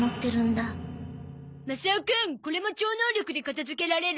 マサオくんこれも超能力で片付けられる？